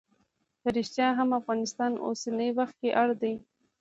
په ریښتیا هم افغانستان اوسنی وخت کې اړ دی.